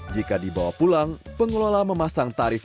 jika dibawa pulang pengelola memasang tarif